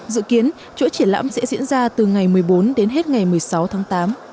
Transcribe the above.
dự kiến chỗ triển lãm sẽ diễn ra từ ngày một mươi bốn đến hết ngày một mươi sáu tháng tám